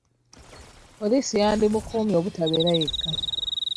Poliisi yandi mukumye obutabeera yekka.